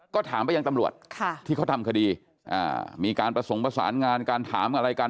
ก็ถามไปยังตำรวจที่เขาทำคดีมีการประสงค์ประสานงานการถามอะไรกัน